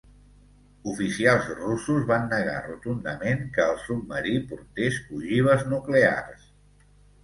Oficials russos van negar rotundament que el submarí portés ogives nuclears.